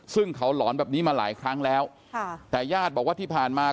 ซึ่งเขาหลอนแบบนี้มาหลายครั้งแล้วค่ะแต่ญาติบอกว่าที่ผ่านมา